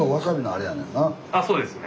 あそうですね。